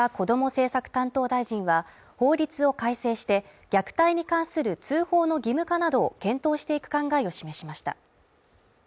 政策担当大臣は法律を改正して、虐待に関する通報の義務化などを検討していく考えを示しました。